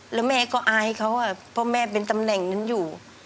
แล้วแม่ก็อายเขาเพราะแม่เป็นตำแหน่งนั้นอยู่